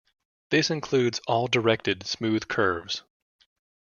This includes all directed smooth curves.